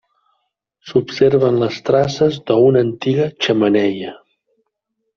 S'observen les traces d'una antiga xemeneia.